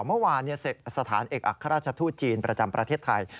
เมื่อวานสถานเอกอัครราชทูตจีนประจำประเทศไทย